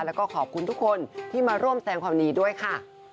แล้วก็ขอบคุณทุกคนที่มาร่วมแสงความดีด้วยค่ะ